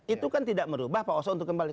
itu kan tidak merubah pak oso untuk kembali